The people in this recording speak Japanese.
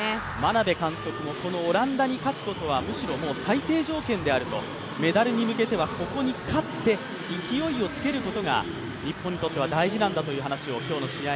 眞鍋監督もこのオランダに勝つことは、むしろ最低条件であるとメダルに向けてはここに勝って、勢いをつけることが日本にとって大事なんだということを今日の試合